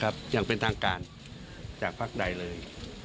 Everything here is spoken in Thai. จะเป็นทางการจากภักษ์ใดเลย